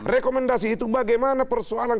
rekomendasi itu bagaimana persoalan